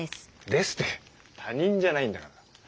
「です」って他人じゃないんだから。